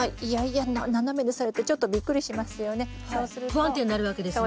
不安定になるわけですね。